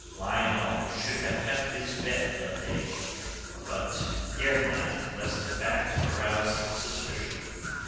Lionel should have kept his bed that day, but dared not, lest the fact should arouse suspicion.